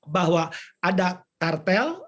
bahwa ada tartel